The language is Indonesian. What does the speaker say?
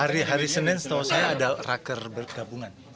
hari hari senin setelah saya ada raker bergabungan